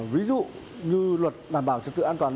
ví dụ như luật đảm bảo trật tự an toàn